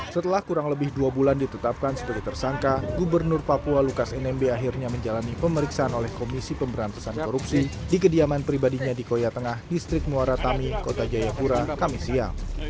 setelah kurang lebih dua bulan ditetapkan sebagai tersangka gubernur papua lukas nmb akhirnya menjalani pemeriksaan oleh komisi pemberantasan korupsi di kediaman pribadinya di koya tengah distrik muara tami kota jayapura kami siang